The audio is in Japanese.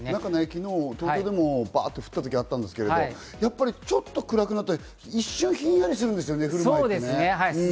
昨日、東京でもバッと降ったときがあったんですが、ちょっと暗くなったり、一瞬ひんやりするんです